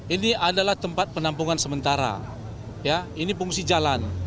ini adalah tempat penampungan sementara ya ini fungsi jalan